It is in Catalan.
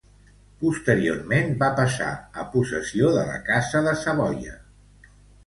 Posteriorment va passar a possessió de la Casa de Savoia.